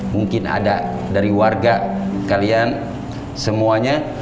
mungkin ada dari warga kalian semuanya